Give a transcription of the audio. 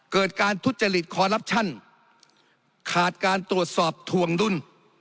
การทุจริตคอลลับชั่นขาดการตรวจสอบถวงดุล